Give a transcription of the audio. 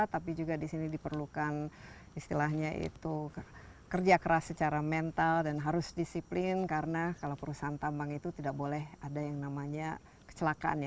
tapi juga di sini diperlukan istilahnya itu kerja keras secara mental dan harus disiplin karena kalau perusahaan tambang itu tidak boleh ada yang namanya kecelakaan ya